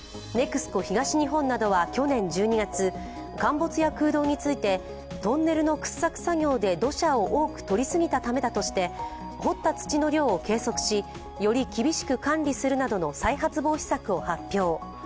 ＮＥＸＣＯ東日本などは去年１２月、陥没や空洞についてトンネルの掘削作業で土砂を多く取り過ぎたためだとして掘った土の量を計測し、より厳しく管理するなどの再発防止策を発表。